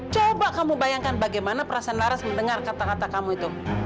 coba kamu bayangkan bagaimana perasaan laras mendengar kata kata kamu itu